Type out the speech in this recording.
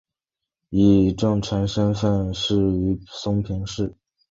以重臣身份仕于松平氏。